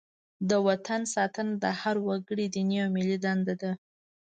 د وطن ساتنه د هر وګړي دیني او ملي دنده ده.